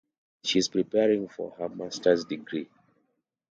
She is preparing for her master's degree.